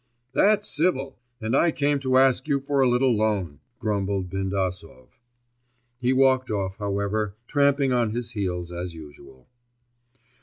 'That's civil! And I came to ask you for a little loan,' grumbled Bindasov. He walked off, however, tramping on his heels as usual.